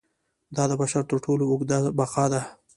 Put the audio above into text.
دا د بشر تر ټولو اوږده بقا ده.